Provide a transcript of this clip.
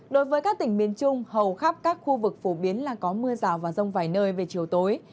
đối với các tỉnh miền trung hầu khắp các khu vực phổ biến là có mưa rào và rông vài nơi về chiều tối